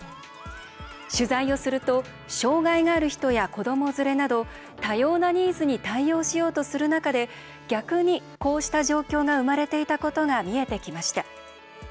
取材をすると障害がある人や子ども連れなど多様なニーズに対応しようとする中で逆に、こうした状況が生まれていたことが見えてきました。